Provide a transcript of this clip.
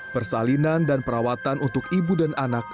persalinan dan perawatan untuk ibu dan anak